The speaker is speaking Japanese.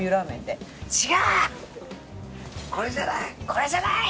「これじゃない！」。